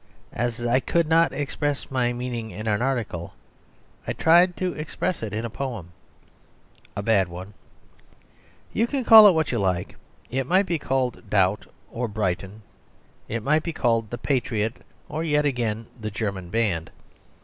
As I could not express my meaning in an article, I tried to express it in a poem a bad one. You can call it what you like. It might be called "Doubt," or "Brighton." It might be called "The Patriot," or yet again "The German Band."